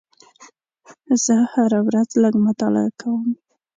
زه هره ورځ لږ مطالعه کوم.